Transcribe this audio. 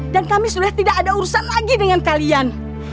dan kami sudah tidak ada urusan lagi dengan kalian